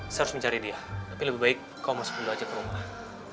saya harus mencari dia tapi lebih baik kau masuk dulu aja ke rumah